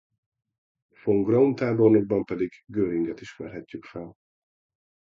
Von Graum tábornokban pedig Göringet ismerhetjük fel.